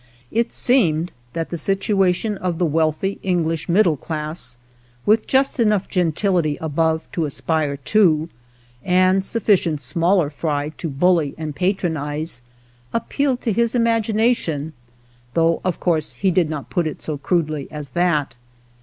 It seemed that the situation of the wealthy English middle class, with just enough gentility above to aspire to, and sufficient smaller fry to bully and patronize, appealed to his imagination, though of , course he did not put it so crudely as that.